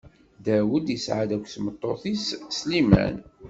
Dawed isɛa-d akked tmeṭṭut-is Sliman.